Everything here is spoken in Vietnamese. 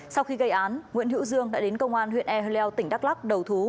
sau khi gây án nguyễn hữu dương đã đến công an huyện ehleu tỉnh đắk lắc đầu thú